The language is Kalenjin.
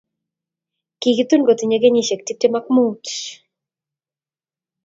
Kikitun kotinye kenyishek tiptem ak mut